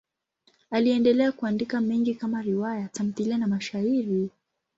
Aliendelea kuandika mengi kama riwaya, tamthiliya na mashairi.